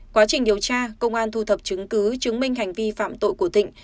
quá trình điều tra công an thu thập chứng cứ chứng minh hành vi phạm tội của thịnh